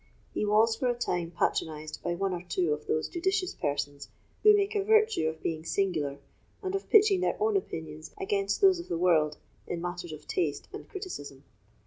He was for a time patronised by one or two of those judicious persons who make a virtue of being singular, and of pitching their own opinions against those of the world in matters of taste and criticism.